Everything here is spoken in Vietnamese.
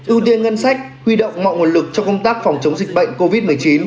ưu tiên ngân sách huy động mọi nguồn lực cho công tác phòng chống dịch bệnh covid một mươi chín